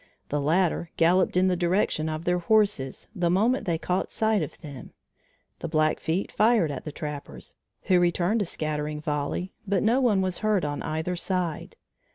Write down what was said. The latter galloped in the direction of their horses, the moment they caught sight of them. The Blackfeet fired at the trappers, who returned a scattering volley but no one was hurt on either side.